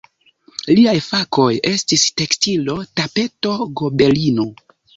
Liaj fakoj estis tekstilo-tapeto-gobelino.